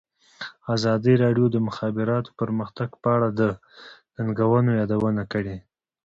ازادي راډیو د د مخابراتو پرمختګ په اړه د ننګونو یادونه کړې.